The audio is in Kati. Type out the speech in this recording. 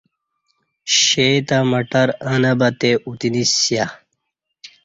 شہ تہ مٹر اں نہ بتے اتینسیا